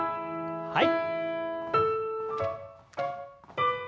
はい。